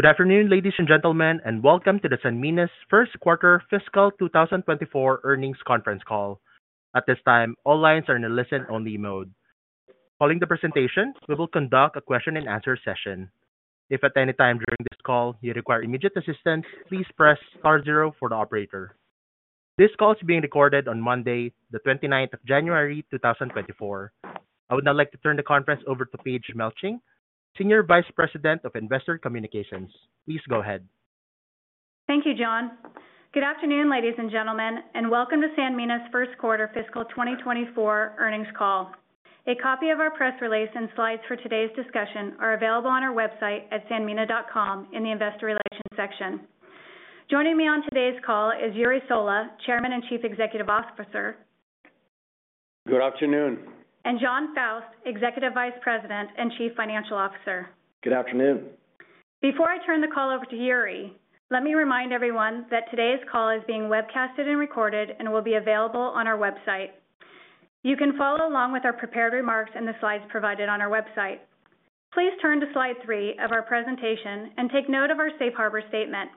Good afternoon, ladies and gentlemen, and welcome to Sanmina's first quarter fiscal 2024 earnings conference call. At this time, all lines are in a listen-only mode. Following the presentation, we will conduct a question and answer session. If at any time during this call you require immediate assistance, please press star zero for the operator. This call is being recorded on Monday, the 29th of January, 2024. I would now like to turn the conference over to Paige Melching, Senior Vice President of Investor Communications. Please go ahead. Thank you, John. Good afternoon, ladies and gentlemen, and welcome to Sanmina's first quarter fiscal 2024 earnings call. A copy of our press release and slides for today's discussion are available on our website at sanmina.com in the Investor Relations section. Joining me on today's call is Jure Sola, Chairman and Chief Executive Officer. Good afternoon. Jon Faust, Executive Vice President and Chief Financial Officer. Good afternoon. Before I turn the call over to Jure, let me remind everyone that today's call is being webcasted and recorded and will be available on our website. You can follow along with our prepared remarks and the slides provided on our website. Please turn to slide three of our presentation and take note of our Safe Harbor statement.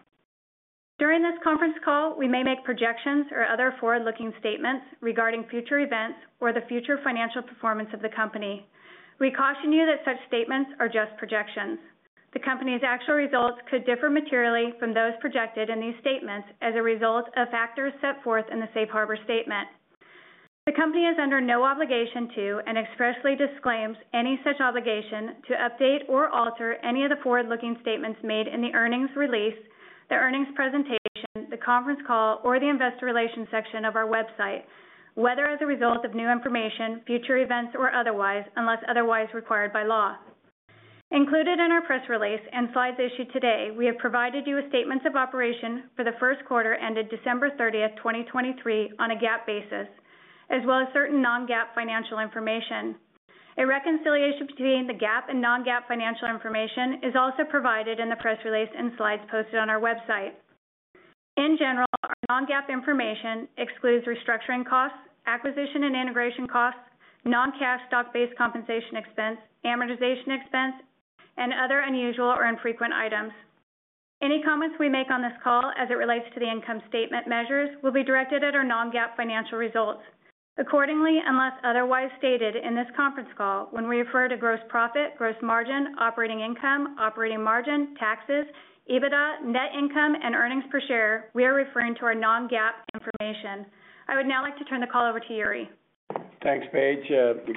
During this conference call, we may make projections or other forward-looking statements regarding future events or the future financial performance of the company. We caution you that such statements are just projections. The company's actual results could differ materially from those projected in these statements as a result of factors set forth in the Safe Harbor statement. The company is under no obligation to and expressly disclaims any such obligation to update or alter any of the forward-looking statements made in the earnings release, the earnings presentation, the conference call, or the investor relations section of our website, whether as a result of new information, future events, or otherwise, unless otherwise required by law. Included in our press release and slides issued today, we have provided you with statements of operation for the first quarter ended December 30th, 2023, on a GAAP basis, as well as certain non-GAAP financial information. A reconciliation between the GAAP and non-GAAP financial information is also provided in the press release and slides posted on our website. In general, our non-GAAP information excludes restructuring costs, acquisition and integration costs, non-cash stock-based compensation expense, amortization expense, and other unusual or infrequent items. Any comments we make on this call as it relates to the income statement measures will be directed at our non-GAAP financial results. Accordingly, unless otherwise stated in this conference call, when we refer to gross profit, gross margin, operating income, operating margin, taxes, EBITDA, net income, and earnings per share, we are referring to our non-GAAP information. I would now like to turn the call over to Jure. Thanks, Paige.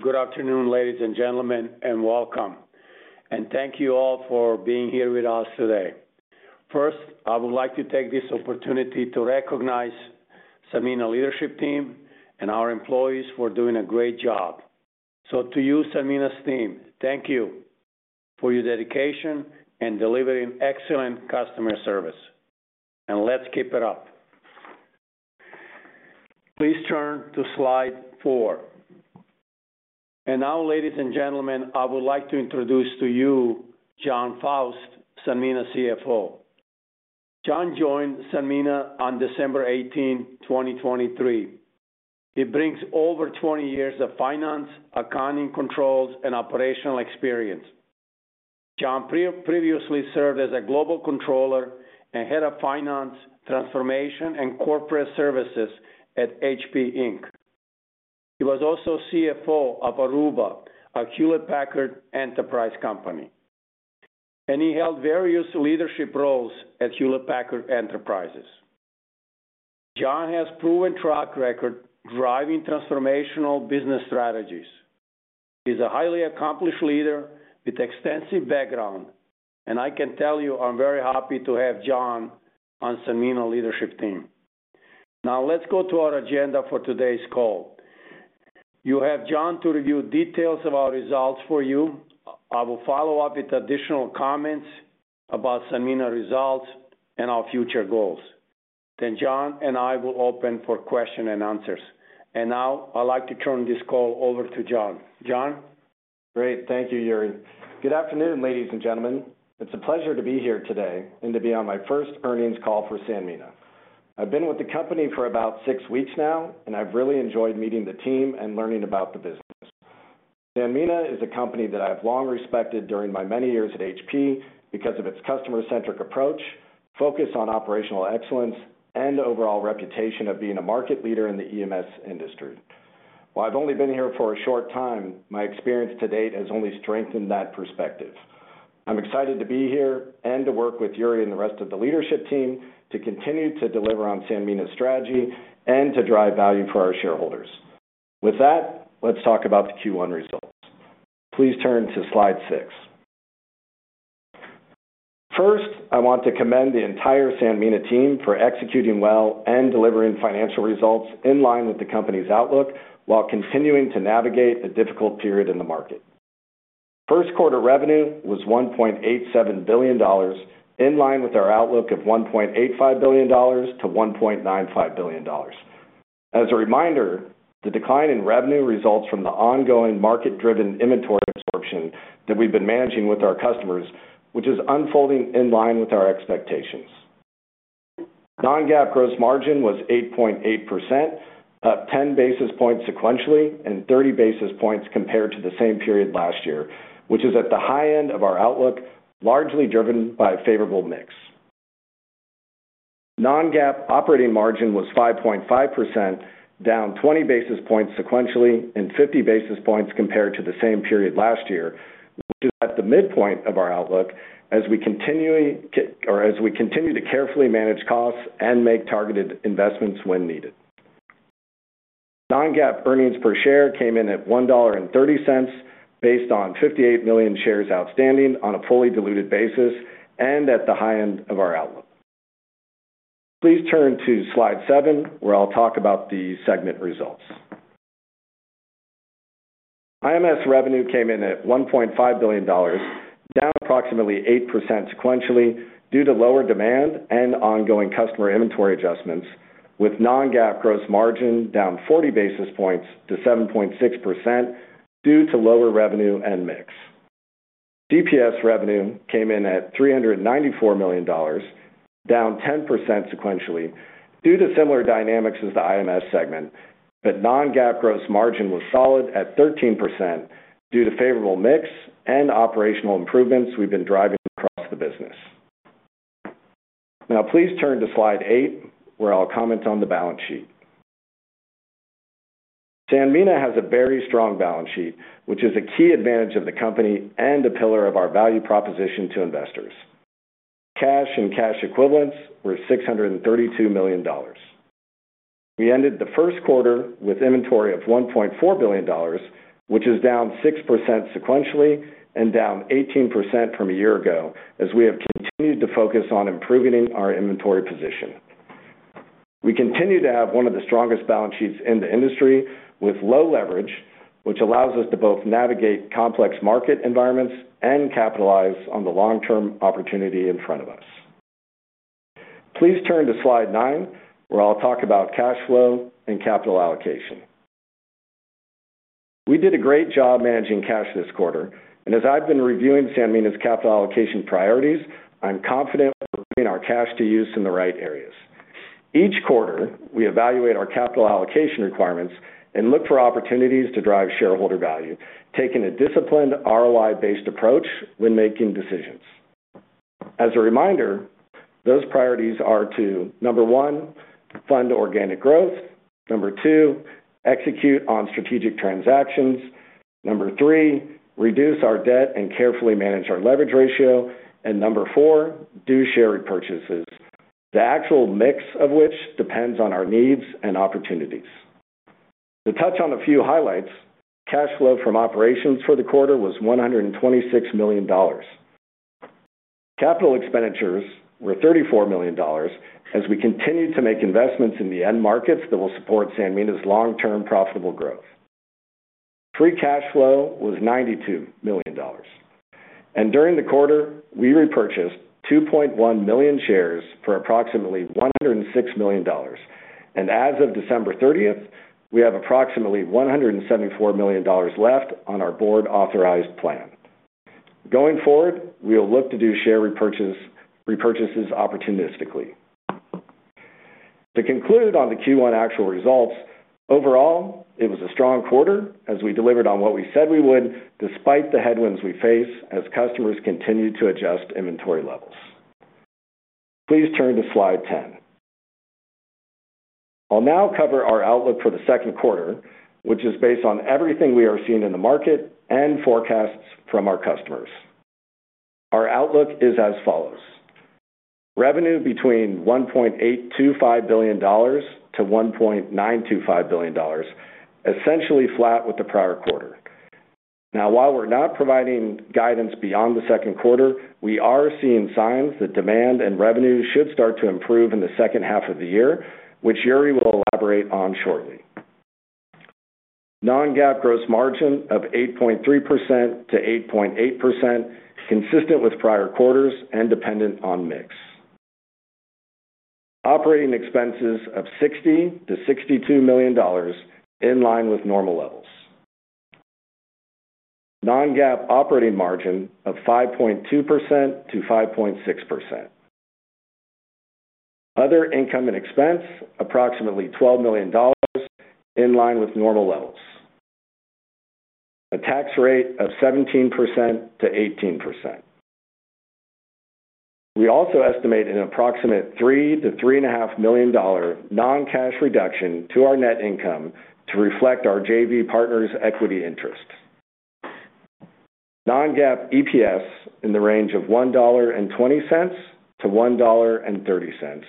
Good afternoon, ladies and gentlemen, and welcome. Thank you all for being here with us today. First, I would like to take this opportunity to recognize Sanmina leadership team and our employees for doing a great job. So to you, Sanmina's team, thank you for your dedication and delivering excellent customer service, and let's keep it up. Please turn to slide four. Now, ladies and gentlemen, I would like to introduce to you Jon Faust, Sanmina's CFO. Jon joined Sanmina on December 18th, 2023. He brings over 20 years of finance, accounting, controls, and operational experience. Jon previously served as a Global Controller and Head of Finance, Transformation, and Corporate Services at HP Inc. He was also CFO of Aruba, a Hewlett Packard Enterprise company, and he held various leadership roles at Hewlett Packard Enterprise. Jon has proven track record driving transformational business strategies. He's a highly accomplished leader with extensive background, and I can tell you, I'm very happy to have Jon on Sanmina leadership team. Now, let's go to our agenda for today's call. You have Jon to review details of our results for you. I will follow up with additional comments about Sanmina results and our future goals. Then Jon and I will open for question and answers. And now, I'd like to turn this call over to Jon. Jon? Great. Thank you, Jure. Good afternoon, ladies and gentlemen. It's a pleasure to be here today and to be on my first earnings call for Sanmina. I've been with the company for about six weeks now, and I've really enjoyed meeting the team and learning about the business. Sanmina is a company that I've long respected during my many years at HP because of its customer-centric approach, focus on operational excellence, and overall reputation of being a market leader in the EMS industry. While I've only been here for a short time, my experience to date has only strengthened that perspective. I'm excited to be here and to work with Jure and the rest of the leadership team to continue to deliver on Sanmina's strategy and to drive value for our shareholders. With that, let's talk about the Q1 results. Please turn to slide six. First, I want to commend the entire Sanmina team for executing well and delivering financial results in line with the company's outlook, while continuing to navigate the difficult period in the market. First quarter revenue was $1.87 billion, in line with our outlook of $1.85 billion-$1.95 billion. As a reminder, the decline in revenue results from the ongoing market-driven inventory absorption that we've been managing with our customers, which is unfolding in line with our expectations. Non-GAAP gross margin was 8.8%, up 10 basis points sequentially and 30 basis points compared to the same period last year, which is at the high end of our outlook, largely driven by favorable mix. Non-GAAP operating margin was 5.5%, down 20 basis points sequentially and 50 basis points compared to the same period last year, which is at the midpoint of our outlook as we continue to carefully manage costs and make targeted investments when needed. Non-GAAP earnings per share came in at $1.30, based on 58 million shares outstanding on a fully diluted basis and at the high end of our outlook. Please turn to slide seven, where I'll talk about the segment results. IMS revenue came in at $1.5 billion, down approximately 8% sequentially due to lower demand and ongoing customer inventory adjustments, with non-GAAP gross margin down 40 basis points to 7.6% due to lower revenue and mix. CPS revenue came in at $394 million, down 10% sequentially due to similar dynamics as the IMS segment, but non-GAAP gross margin was solid at 13% due to favorable mix and operational improvements we've been driving across the business. Now please turn to slide eight, where I'll comment on the balance sheet. Sanmina has a very strong balance sheet, which is a key advantage of the company and a pillar of our value proposition to investors. Cash and cash equivalents were $632 million. We ended the first quarter with inventory of $1.4 billion, which is down 6% sequentially and down 18% from a year ago, as we have continued to focus on improving our inventory position. We continue to have one of the strongest balance sheets in the industry, with low leverage, which allows us to both navigate complex market environments and capitalize on the long-term opportunity in front of us. Please turn to slide nine, where I'll talk about cash flow and capital allocation. We did a great job managing cash this quarter, and as I've been reviewing Sanmina's capital allocation priorities, I'm confident we're putting our cash to use in the right areas. Each quarter, we evaluate our capital allocation requirements and look for opportunities to drive shareholder value, taking a disciplined ROI-based approach when making decisions. As a reminder, those priorities are to, number one, fund organic growth; number two, execute on strategic transactions; number three, reduce our debt and carefully manage our leverage ratio; and number four, do share repurchases, the actual mix of which depends on our needs and opportunities. To touch on a few highlights, cash flow from operations for the quarter was $126 million. Capital expenditures were $34 million, as we continued to make investments in the end markets that will support Sanmina's long-term profitable growth. Free cash flow was $92 million. During the quarter, we repurchased 2.1 million shares for approximately $106 million. As of December 30th, we have approximately $174 million left on our board-authorized plan. Going forward, we will look to do share repurchase, repurchases opportunistically. To conclude on the Q1 actual results, overall, it was a strong quarter as we delivered on what we said we would, despite the headwinds we face as customers continued to adjust inventory levels. Please turn to slide 10. I'll now cover our outlook for the second quarter, which is based on everything we are seeing in the market and forecasts from our customers. Our outlook is as follows: Revenue between $1.825 billion-$1.925 billion, essentially flat with the prior quarter. Now, while we're not providing guidance beyond the second quarter, we are seeing signs that demand and revenue should start to improve in the second half of the year, which Jure will elaborate on shortly. Non-GAAP gross margin of 8.3%-8.8%, consistent with prior quarters and dependent on mix. Operating expenses of $60 million-$62 million, in line with normal levels. Non-GAAP operating margin of 5.2%-5.6%. Other income and expense, approximately $12 million, in line with normal levels. A tax rate of 17%-18%. We also estimate an approximate $3 million-$3.5 million non-cash reduction to our net income to reflect our JV partner's equity interest. Non-GAAP EPS in the range of $1.20-$1.30,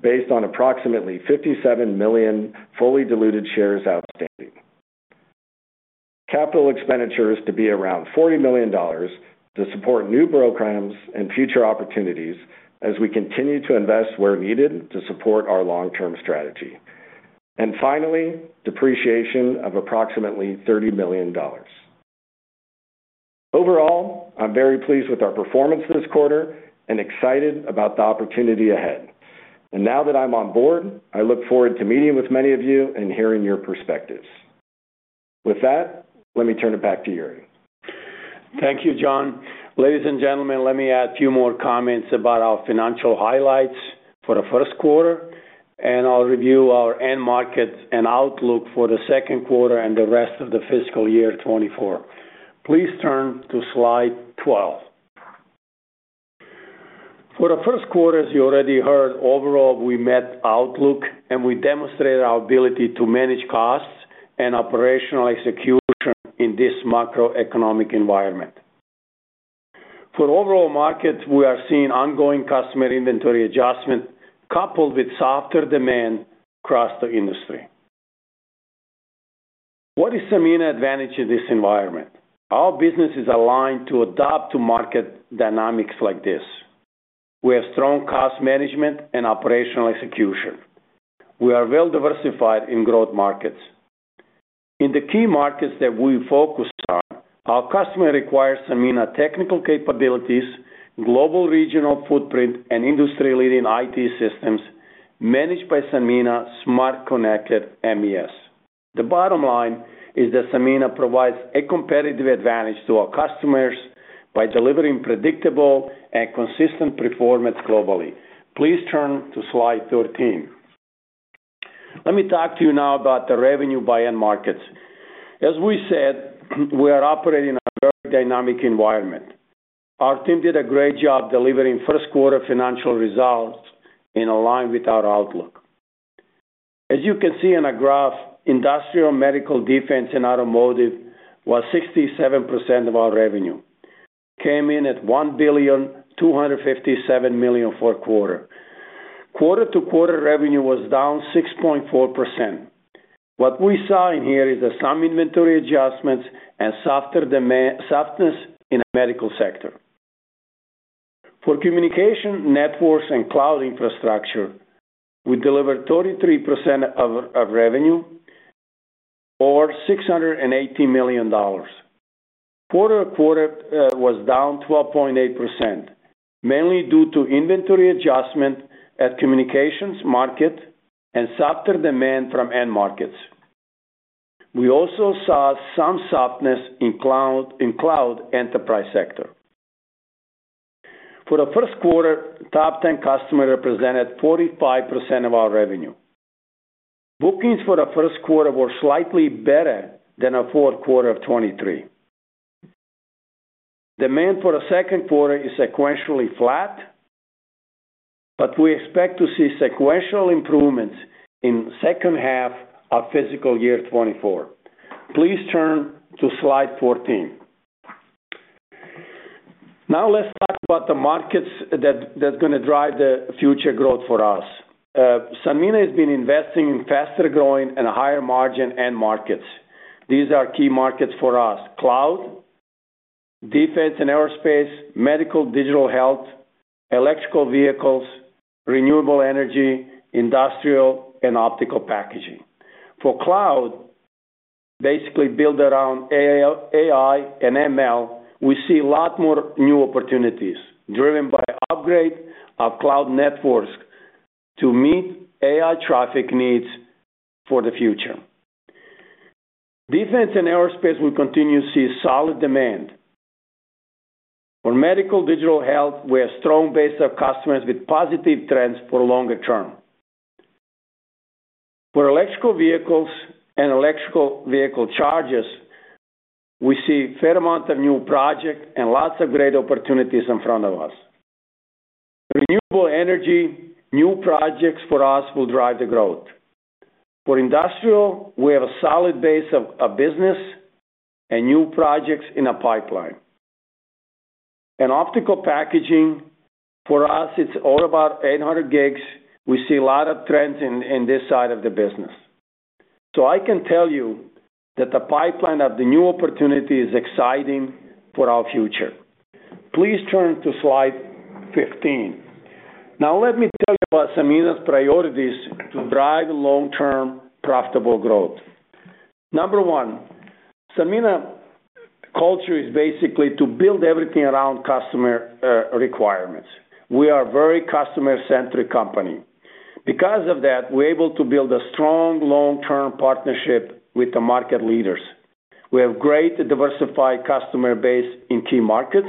based on approximately 57 million fully diluted shares outstanding. Capital expenditures to be around $40 million to support new programs and future opportunities as we continue to invest where needed to support our long-term strategy. And finally, depreciation of approximately $30 million. Overall, I'm very pleased with our performance this quarter and excited about the opportunity ahead. And now that I'm on board, I look forward to meeting with many of you and hearing your perspectives. With that, let me turn it back to Jure. Thank you, Jon. Ladies and gentlemen, let me add a few more comments about our financial highlights for the first quarter, and I'll review our end markets and outlook for the second quarter and the rest of the fiscal year 2024. Please turn to slide 12. For the first quarter, as you already heard, overall, we met outlook, and we demonstrated our ability to manage costs and operational execution in this macroeconomic environment. For overall markets, we are seeing ongoing customer inventory adjustment, coupled with softer demand across the industry. What is Sanmina's advantage in this environment? Our business is aligned to adapt to market dynamics like this. We have strong cost management and operational execution. We are well diversified in growth markets. In the key markets that we focus on, our customer requires Sanmina technical capabilities, global regional footprint, and industry-leading IT systems managed by Sanmina's smart connected MES. The bottom line is that Sanmina provides a competitive advantage to our customers by delivering predictable and consistent performance globally. Please turn to slide 13. Let me talk to you now about the revenue by end markets. As we said, we are operating in a very dynamic environment. Our team did a great job delivering first quarter financial results in line with our outlook. As you can see in a graph, industrial, medical, defense, and automotive was 67% of our revenue. Came in at $1,257 million for the quarter. Quarter-over-quarter revenue was down 6.4%. What we saw in here is that some inventory adjustments and softer demand- softness in the medical sector. For communication, networks, and cloud infrastructure, we delivered 33% of revenue, or $680 million. Quarter-to-quarter was down 12.8%, mainly due to inventory adjustment at communications market and softer demand from end markets. We also saw some softness in cloud enterprise sector. For the first quarter, top ten customer represented 45% of our revenue. Bookings for the first quarter were slightly better than the fourth quarter of 2023. Demand for the second quarter is sequentially flat, but we expect to see sequential improvements in the second half of fiscal year 2024. Please turn to slide 14. Now, let's talk about the markets that's gonna drive the future growth for us. Sanmina has been investing in faster growing and higher margin end markets. These are key markets for us: cloud, defense and aerospace, medical, digital health, electrical vehicles, renewable energy, industrial, and optical packaging. For cloud, basically built around AI, AI and ML, we see a lot more new opportunities driven by upgrade of cloud networks to meet AI traffic needs for the future. Defense and aerospace, we continue to see solid demand. For medical digital health, we have a strong base of customers with positive trends for longer term. For electrical vehicles and electrical vehicle chargers, we see a fair amount of new projects and lots of great opportunities in front of us. Renewable energy, new projects for us will drive the growth. For industrial, we have a solid base of business and new projects in the pipeline. Optical packaging, for us, it's all about 800 gigs. We see a lot of trends in this side of the business. So I can tell you that the pipeline of the new opportunity is exciting for our future. Please turn to slide 15. Now, let me tell you about Sanmina's priorities to drive long-term, profitable growth. Number one, Sanmina culture is basically to build everything around customer requirements. We are a very customer-centric company. Because of that, we're able to build a strong, long-term partnership with the market leaders. We have great diversified customer base in key markets,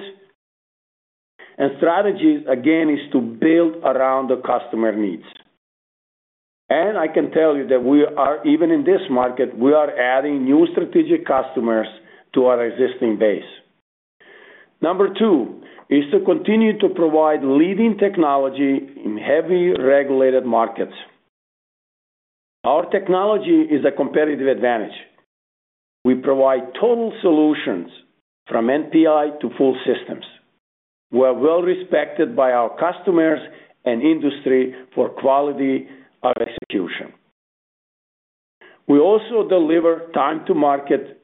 and strategy, again, is to build around the customer needs. And I can tell you that we are, even in this market, we are adding new strategic customers to our existing base. Number two is to continue to provide leading technology in heavy regulated markets. Our technology is a competitive advantage. We provide total solutions, from NPI to full systems. We are well respected by our customers and industry for quality of execution. We also deliver time-to-market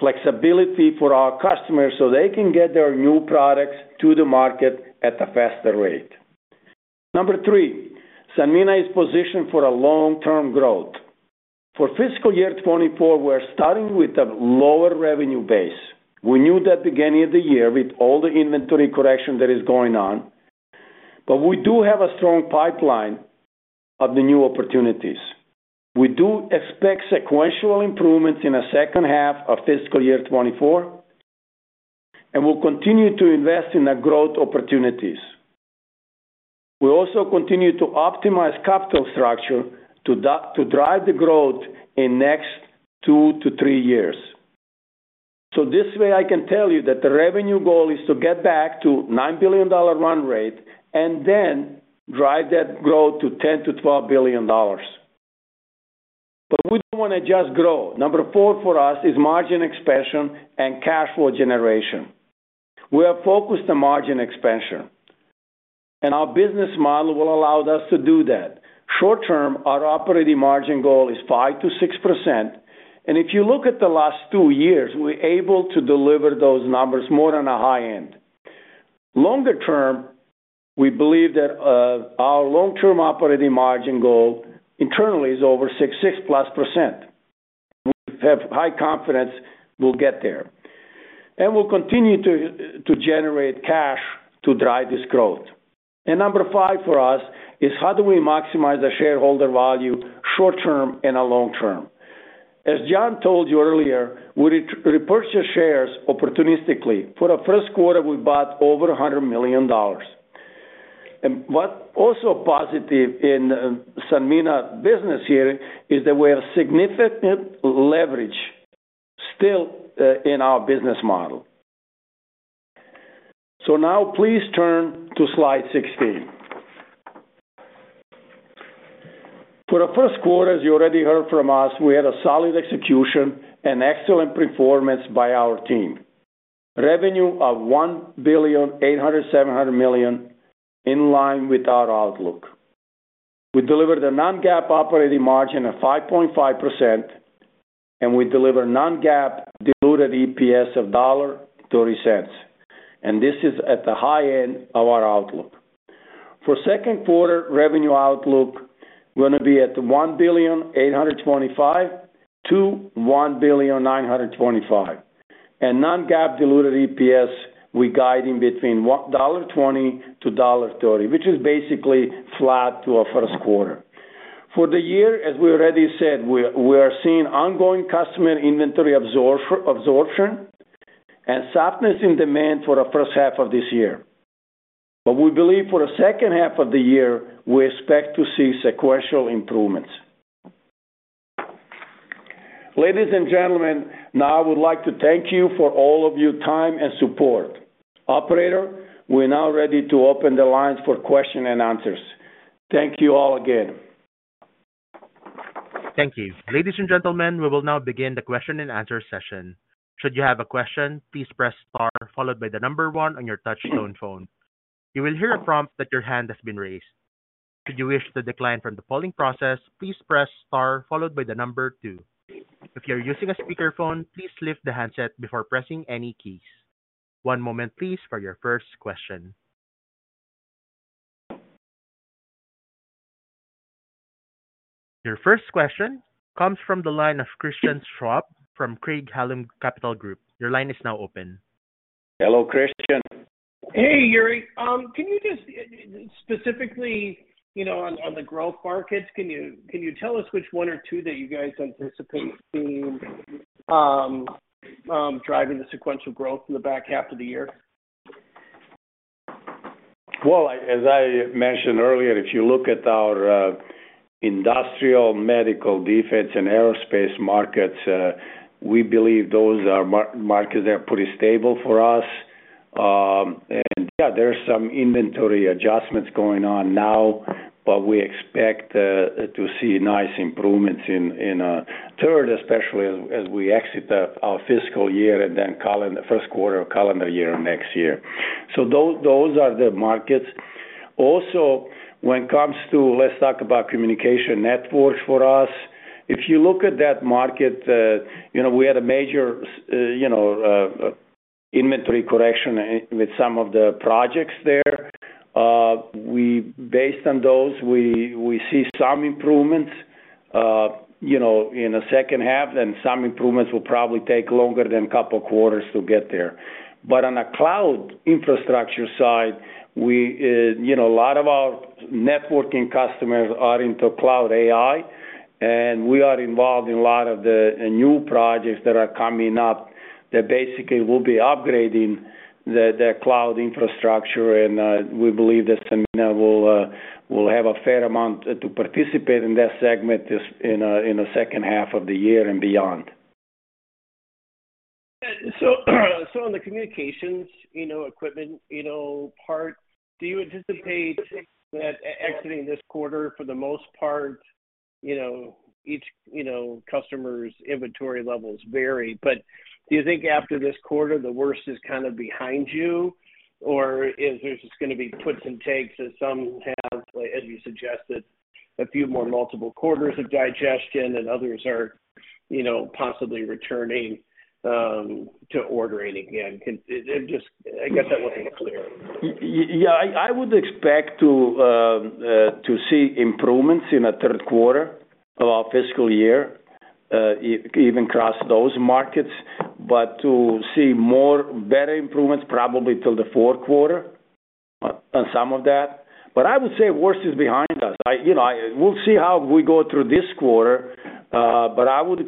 flexibility for our customers, so they can get their new products to the market at a faster rate. Number three, Sanmina is positioned for a long-term growth. For fiscal year 2024, we're starting with a lower revenue base. We knew that beginning of the year with all the inventory correction that is going on. But we do have a strong pipeline of the new opportunities. We do expect sequential improvements in the second half of fiscal year 2024, and we'll continue to invest in the growth opportunities. We also continue to optimize capital structure to drive the growth in next 2-3 years. So this way, I can tell you that the revenue goal is to get back to $9 billion run rate and then drive that growth to $10-$12 billion. But we don't want to just grow. Number four for us is margin expansion and cash flow generation. We are focused on margin expansion, and our business model will allow us to do that. Short term, our operating margin goal is 5%-6%, and if you look at the last two years, we're able to deliver those numbers more on a high end. Longer term, we believe that, our long-term operating margin goal internally is over 6, 6+ %. We have high confidence we'll get there, and we'll continue to generate cash to drive this growth. And number five for us is how do we maximize the shareholder value short term and the long term? As Jon told you earlier, we repurchase shares opportunistically. For the first quarter, we bought over $100 million. What also positive in Sanmina business here is that we have significant leverage still in our business model. Now please turn to slide 16. For the first quarter, as you already heard from us, we had a solid execution and excellent performance by our team. Revenue of $1.807 billion, in line with our outlook. We delivered a non-GAAP operating margin of 5.5%, and we delivered non-GAAP diluted EPS of $1.30, and this is at the high end of our outlook. For second quarter revenue outlook, we're going to be at $1.825 billion-$1.925 billion. And non-GAAP diluted EPS, we're guiding between $1.20-$1.30, which is basically flat to our first quarter. For the year, as we already said, we are, we are seeing ongoing customer inventory absorption and softness in demand for the first half of this year. But we believe for the second half of the year, we expect to see sequential improvements. Ladies and gentlemen, now I would like to thank you for all of your time and support. Operator, we're now ready to open the lines for question and answers. Thank you all again. Thank you. Ladies and gentlemen, we will now begin the question and answer session. Should you have a question, please press star followed by the number one on your touchtone phone. You will hear a prompt that your hand has been raised. Should you wish to decline from the polling process, please press star followed by the number two. If you're using a speakerphone, please lift the handset before pressing any keys. One moment, please, for your first question. Your first question comes from the line of Christian Schwab from Craig-Hallum Capital Group. Your line is now open. Hello, Christian. Hey, Jure. Can you just, specifically, you know, on the growth markets, can you tell us which one or two that you guys anticipate seeing, driving the sequential growth in the back half of the year? Well, as I mentioned earlier, if you look at our industrial, medical, defense, and aerospace markets, we believe those markets are pretty stable for us. And yeah, there are some inventory adjustments going on now, but we expect to see nice improvements in the third, especially as we exit our fiscal year and then the first quarter of calendar year next year. So those are the markets. Also, when it comes to let's talk about communication networks for us. If you look at that market, you know, we had a major inventory correction with some of the projects there. We, based on those, we see some improvements, you know, in the second half, and some improvements will probably take longer than a couple of quarters to get there. But on a cloud infrastructure side, we, you know, a lot of our networking customers are into cloud AI, and we are involved in a lot of the new projects that are coming up that basically will be upgrading the cloud infrastructure, and we believe that Sanmina will have a fair amount to participate in that segment this, in, in the second half of the year and beyond. So in the communications, you know, equipment, you know, part, do you anticipate that exiting this quarter, for the most part, you know, each customer's inventory levels vary, but do you think after this quarter, the worst is kind of behind you? Or is there just going to be puts and takes, as some have, as you suggested, a few more multiple quarters of digestion and others are, you know, possibly returning to ordering again? Just, I guess that wasn't clear. Yeah. I would expect to see improvements in the third quarter of our fiscal year, even across those markets, but to see more better improvements, probably till the fourth quarter on some of that. But I would say worst is behind us. You know, we'll see how we go through this quarter, but I would,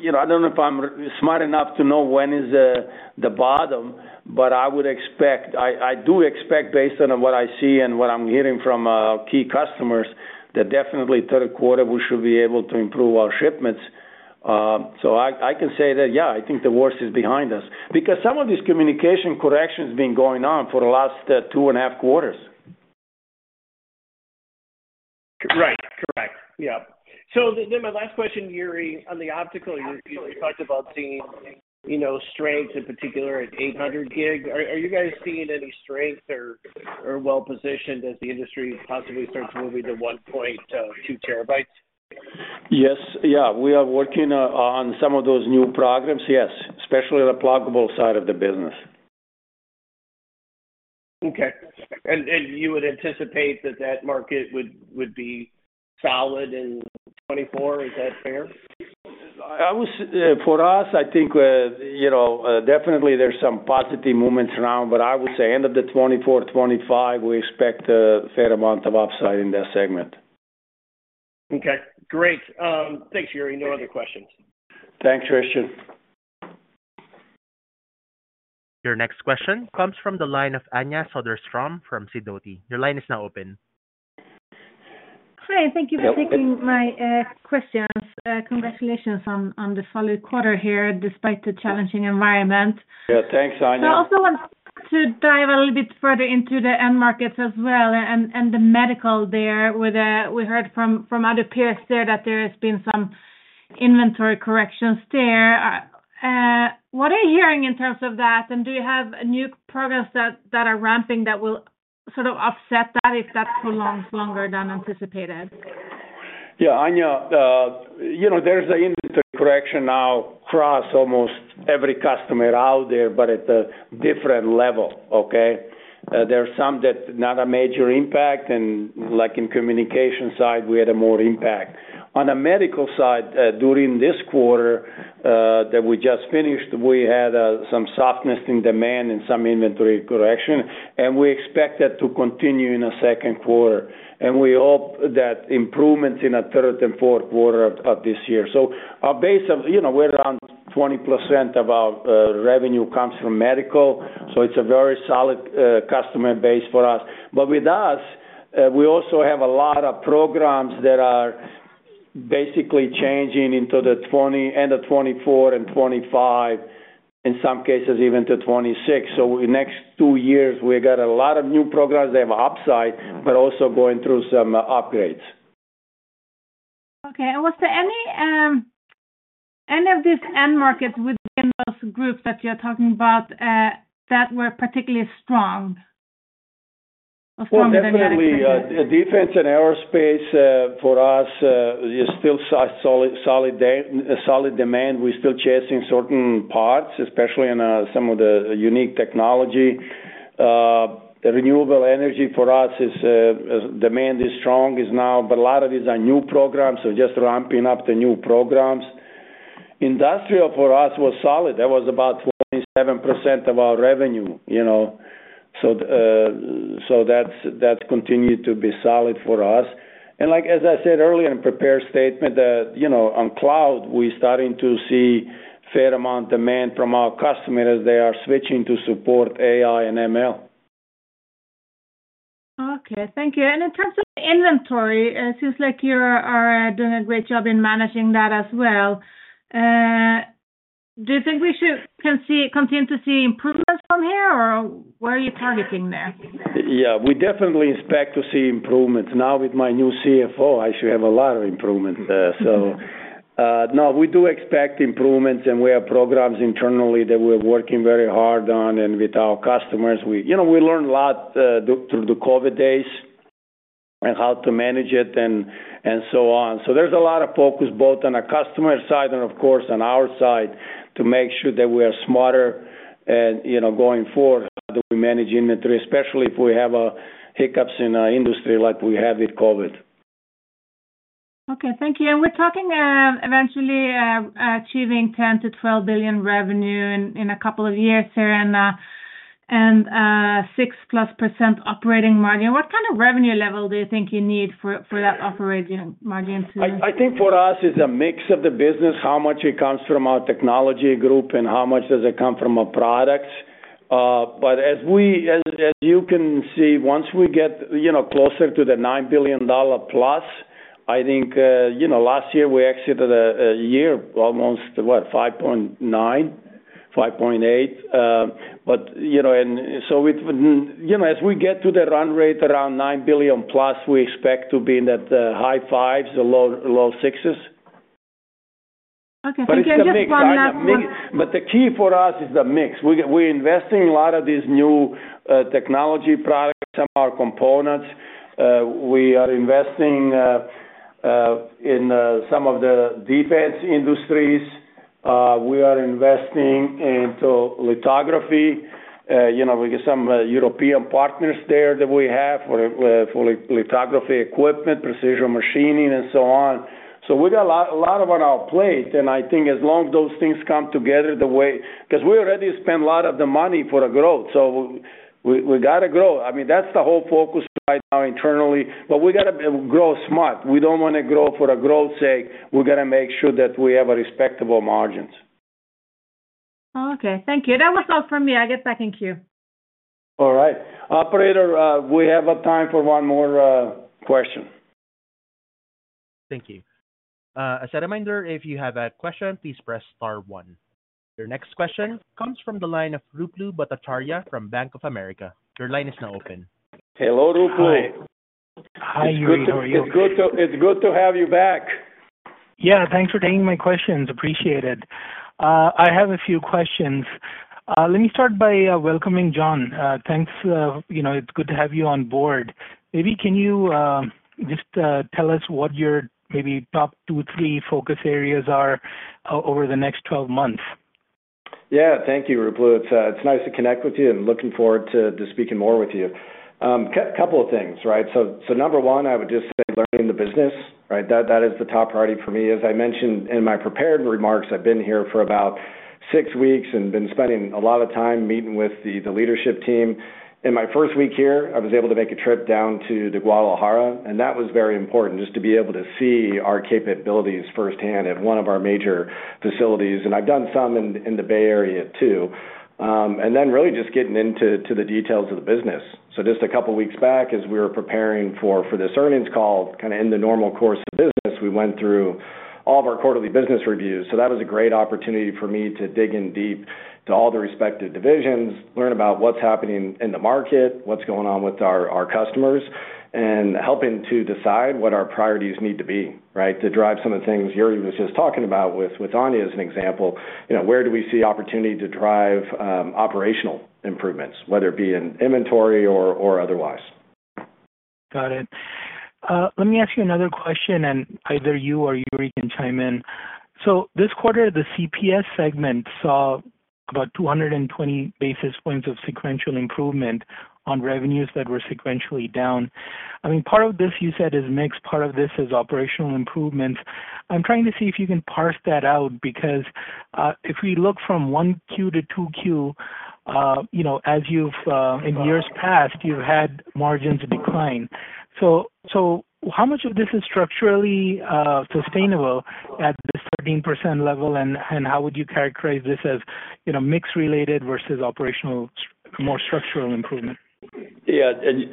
you know, I don't know if I'm smart enough to know when is the bottom, but I would expect—I do expect, based on what I see and what I'm hearing from key customers, that definitely third quarter, we should be able to improve our shipments. So I can say that, yeah, I think the worst is behind us. Because some of these communication corrections have been going on for the last two and a half quarters. Right. Correct. Yeah. So then, then my last question, Jure, on the optical, you, you talked about seeing, you know, strength in particular at 800 gig. Are, are you guys seeing any strength or, or well positioned as the industry possibly starts moving to 1.2 terabits? Yes. Yeah, we are working on some of those new programs. Yes, especially the pluggable side of the business. Okay. And you would anticipate that market would be solid in 2024, is that fair? For us, I think, you know, definitely there's some positive movements around, but I would say end of the 2024, 2025, we expect a fair amount of upside in that segment. Okay, great. Thanks, Jure. No other questions. Thanks, Christian. Your next question comes from the line of Anja Soderstrom from Sidoti. Your line is now open. Hi, and thank you for taking my questions. Congratulations on the solid quarter here, despite the challenging environment. Yeah, thanks, Anja. I also want to dive a little bit further into the end markets as well and the medical there, where we heard from other peers there that there has been some inventory corrections there. What are you hearing in terms of that, and do you have new programs that are ramping that will sort of offset that if that prolongs longer than anticipated? Yeah, Anja, you know, there's an inventory correction now across almost every customer out there, but at a different level, okay? There are some that not a major impact, and like in communication side, we had a more impact. On the medical side, during this quarter that we just finished, we had some softness in demand and some inventory correction, and we expect that to continue in the second quarter. We hope that improvements in the third and fourth quarter of this year. So our base of, you know, we're around 20% of our revenue comes from medical, so it's a very solid customer base for us. But with us, we also have a lot of programs that are basically changing into the, end of 2024 and 2025, in some cases even to 2026. In the next two years, we got a lot of new programs. They have upside, but also going through some upgrades. Okay. And was there any of these end markets within those groups that you're talking about that were particularly strong or stronger than? Well, definitely, defense and aerospace for us is still solid demand. We're still chasing certain parts, especially in some of the unique technology. The renewable energy for us, demand is strong now, but a lot of these are new programs, so just ramping up the new programs. Industrial for us was solid. That was about 27% of our revenue, you know, so that's continued to be solid for us. And like, as I said earlier in prepared statement, that, you know, on cloud, we're starting to see a fair amount of demand from our customers as they are switching to support AI and ML. Okay, thank you. And in terms of inventory, it seems like you are doing a great job in managing that as well. Do you think we should continue to see improvements from here, or where are you targeting there? Yeah, we definitely expect to see improvements. Now with my new CFO, I should have a lot of improvement there. So, no, we do expect improvements, and we have programs internally that we're working very hard on and with our customers. We, you know, we learned a lot through the COVID days on how to manage it and, and so on. So there's a lot of focus both on the customer side and, of course, on our side, to make sure that we are smarter and, you know, going forward, how do we manage inventory, especially if we have hiccups in our industry like we had with COVID. Okay, thank you. And we're talking, eventually, achieving $10 billion-$12 billion revenue in a couple of years here and, and, 6%+ operating margin. What kind of revenue level do you think you need for that operating margin to? I think for us, it's a mix of the business, how much it comes from our technology group and how much does it come from our products. But as you can see, once we get, you know, closer to the $9 billion plus, I think, you know, last year we exited a year almost, what, $5.9 billion, $5.8 billion. But, you know, and so it, you know, as we get to the run rate around $9 billion plus, we expect to be in that, high 5s, the low 6s. Okay, thank you. But it's a mix. But the key for us is the mix. We, we're investing a lot of these new, technology products, some are components. We are investing, in, some of the defense industries. We are investing into lithography. You know, we get some, European partners there that we have for, for lithography equipment, precision machining, and so on. So we got a lot, a lot on our plate, and I think as long as those things come together the way, because we already spent a lot of the money for the growth, so we, we gotta grow. I mean, that's the whole focus right now internally, but we gotta grow smart. We don't want to grow for the growth's sake. We're gonna make sure that we have a respectable margins. Okay, thank you. That was all from me. I get back in queue. All right. Operator, we have a time for one more question. Thank you. As a reminder, if you have a question, please press Star One. Your next question comes from the line of Ruplu Bhattacharya from Bank of America. Your line is now open. Hello, Ruplu. Hi. Hi, Jure. How are you? It's good to have you back. Yeah, thanks for taking my questions. Appreciate it. I have a few questions. Let me start by welcoming Jon. Thanks, you know, it's good to have you on board. Maybe can you just tell us what your maybe top two, three focus areas are over the next 12 months? Yeah, thank you, Ruplu. It's it's nice to connect with you, and looking forward to speaking more with you. Couple of things, right? So, number one, I would just say learning the business, right? That is the top priority for me. As I mentioned in my prepared remarks, I've been here for about six weeks and been spending a lot of time meeting with the leadership team. In my first week here, I was able to make a trip down to Guadalajara, and that was very important, just to be able to see our capabilities firsthand at one of our major facilities. And I've done some in the Bay Area, too. And then really just getting into the details of the business. So just a couple of weeks back, as we were preparing for this earnings call, kind of in the normal course of business, we went through all of our quarterly business reviews. So that was a great opportunity for me to dig in deep to all the respective divisions, learn about what's happening in the market, what's going on with our customers, and helping to decide what our priorities need to be, right? To drive some of the things Jure was just talking about, with Anja as an example, you know, where do we see opportunity to drive operational improvements, whether it be in inventory or otherwise? Got it. Let me ask you another question, and either you or Jure can chime in. So this quarter, the CPS segment saw about 220 basis points of sequential improvement on revenues that were sequentially down. I mean, part of this, you said, is mix, part of this is operational improvements. I'm trying to see if you can parse that out, because if we look from 1Q to 2Q, you know, as you've in years past, you've had margins decline. So how much of this is structurally sustainable at the 13% level, and how would you characterize this as, you know, mix related versus operational, more structural improvement? Yeah, and,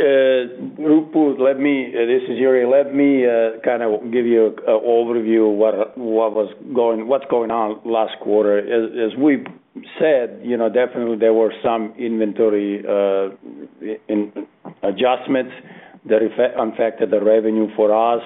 Ruplu, let me... This is Jure. Let me kind of give you an overview of what was going on last quarter. As we've said, you know, definitely there were some inventory adjustments that affected the revenue for us,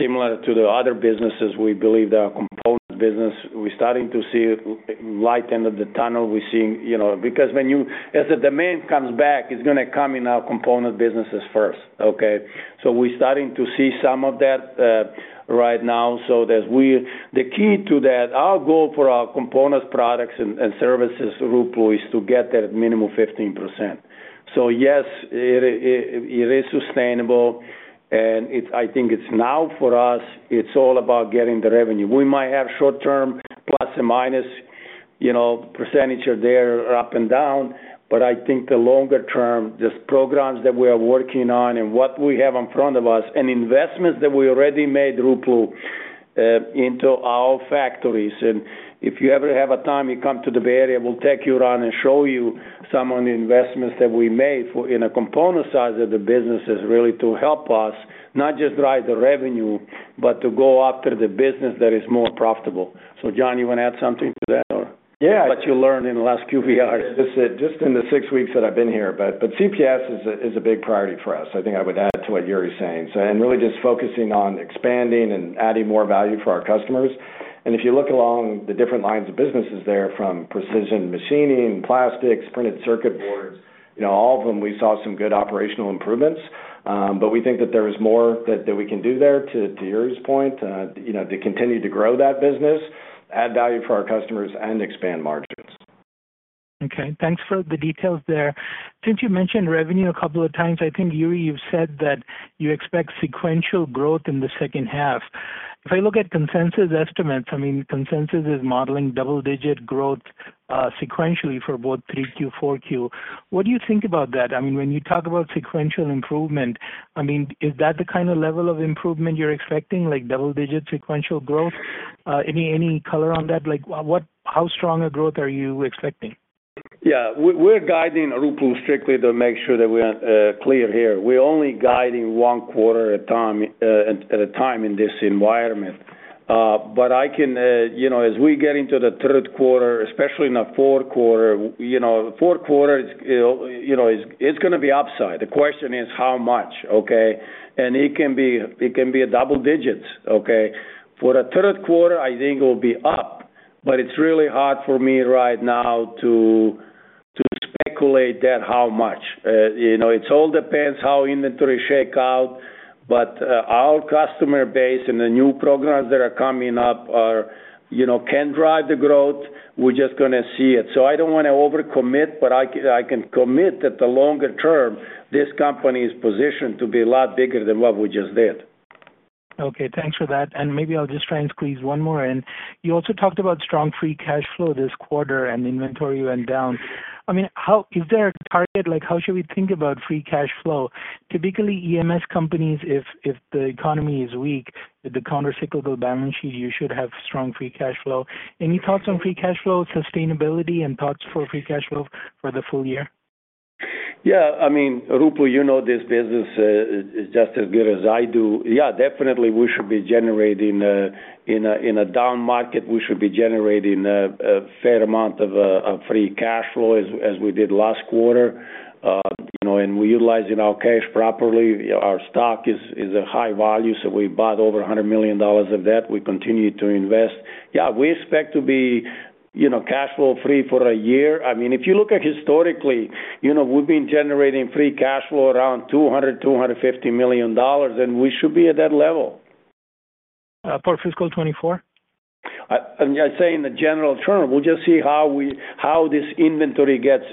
similar to the other businesses, we believe our component business, we're starting to see light at the end of the tunnel. We're seeing, you know, because as the demand comes back, it's gonna come in our component businesses first, okay? So we're starting to see some of that right now. So the key to that, our goal for our Components, Products and Services, Ruplu, is to get that minimum 15%. So yes, it is sustainable, and I think it's now for us, it's all about getting the revenue. We might have short-term, ±, you know, percentage are there, up and down, but I think the longer-term, just programs that we are working on and what we have in front of us, and investments that we already made, Ruplu, into our factories. And if you ever have a time, you come to the Bay Area, we'll take you around and show you some of the investments that we made for, in the component side of the business, is really to help us not just drive the revenue, but to go after the business that is more profitable. So, Jon, you want to add something to that or? Yeah. What you learned in the last QBR. Just in the six weeks that I've been here, but CPS is a big priority for us. I think I would add to what Jure's saying. So really just focusing on expanding and adding more value for our customers. And if you look along the different lines of businesses there, from precision machining, plastics, printed circuit boards, you know, all of them, we saw some good operational improvements. But we think that there is more that we can do there, to Jure's point, you know, to continue to grow that business, add value for our customers, and expand margins. Okay, thanks for the details there. Since you mentioned revenue a couple of times, I think, Jure, you've said that you expect sequential growth in the second half. If I look at consensus estimates, I mean, consensus is modeling double-digit growth sequentially for both Q3, Q4. What do you think about that? I mean, when you talk about sequential improvement, I mean, is that the kind of level of improvement you're expecting, like double-digit sequential growth? Any color on that? Like, what-how strong a growth are you expecting? Yeah, we're guiding, Ruplu, strictly to make sure that we're clear here. We're only guiding one quarter at a time in this environment. But I can, you know, as we get into the third quarter, especially in the fourth quarter, you know, fourth quarter, it's, you know, it's gonna be upside. The question is how much, okay? And it can be, it can be double digits, okay? For the third quarter, I think it will be up, but it's really hard for me right now to calculate how much? You know, it all depends how inventory shakes out, but our customer base and the new programs that are coming up are, you know, can drive the growth. We're just gonna see it. I don't wanna overcommit, but I can commit that the longer term, this company is positioned to be a lot bigger than what we just did. Okay, thanks for that, and maybe I'll just try and squeeze one more in. You also talked about strong free cash flow this quarter, and inventory went down. I mean, how is there a target, like, how should we think about free cash flow? Typically, EMS companies, if the economy is weak, the countercyclical balance sheet, you should have strong free cash flow. Any thoughts on free cash flow, sustainability, and thoughts for free cash flow for the full year? Yeah, I mean, Ruplu, you know, this business is just as good as I do. Yeah, definitely, we should be generating in a down market a fair amount of free cash flow as we did last quarter. You know, and we're utilizing our cash properly. Our stock is a high value, so we bought over $100 million of that. We continue to invest. Yeah, we expect to be, you know, cash flow free for a year. I mean, if you look at historically, you know, we've been generating free cash flow around $200-$250 million, and we should be at that level. For fiscal 2024? I, I'm just saying in the general term, we'll just see how we, how this inventory gets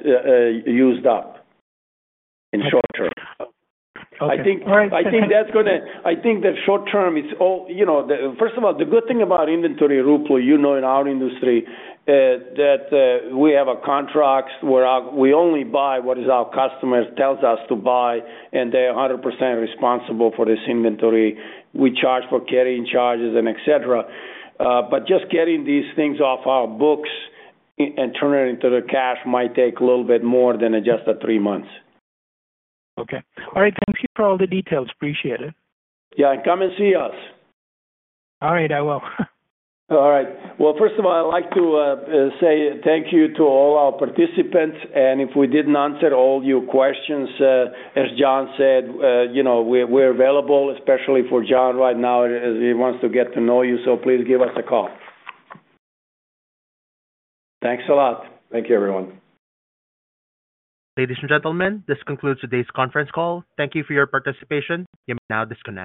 used up in short term. Okay. All right- I think that short term, it's all, you know, the... First of all, the good thing about inventory, Ruplu, you know, in our industry, that we have a contracts where we only buy what is our customers tells us to buy, and they are 100% responsible for this inventory. We charge for carrying charges and et cetera. But just getting these things off our books and turn it into the cash might take a little bit more than just the three months. Okay. All right. Thank you for all the details. Appreciate it. Yeah, and come and see us. All right, I will. All right. Well, first of all, I'd like to say thank you to all our participants, and if we didn't answer all your questions, as Jon said, you know, we're available, especially for Jon right now, as he wants to get to know you, so please give us a call. Thanks a lot. Thank you, everyone. Ladies and gentlemen, this concludes today's conference call. Thank you for your participation. You may now disconnect.